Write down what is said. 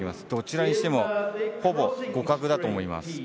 どちらにしてもほぼ互角だと思います。